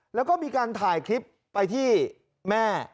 แล้วก็มีการถ่ายคลิปไปที่แม่